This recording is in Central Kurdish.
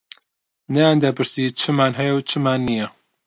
نەیان دەپرسی چمان هەیە و چمان نییە